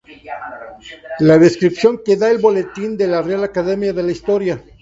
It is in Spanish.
La descripción que da el Boletín de la Real Academia de la Historia.